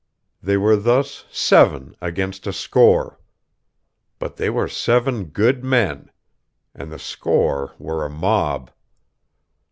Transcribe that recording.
They were thus seven against a score. But they were seven good men. And the score were a mob....